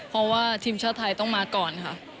เพราะว่าทีมชาติไทยต้องมาก่อนค่ะ